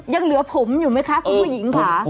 ยังเหลือผมอยู่ไหมคะผู้หญิงเหรอ